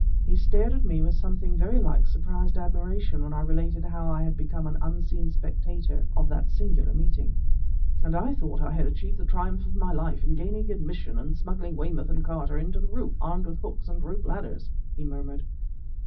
He stared at me with something very like surprised admiration when I related how I had become an unseen spectator of that singular meeting. "And I though I had achieved the triumph of my life in gaining admission and smuggling Weymouth and Carter into the roof, armed with hooks and rope ladders!" he murmured.